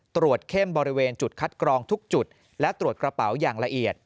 เข้มบริเวณจุดคัดกรองทุกจุดและตรวจกระเป๋าอย่างละเอียด